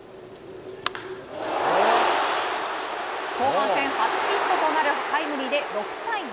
後半戦、初ヒットとなるタイムリーで６対２。